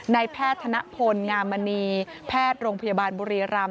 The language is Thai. แพทย์ธนพลงามณีแพทย์โรงพยาบาลบุรีรำ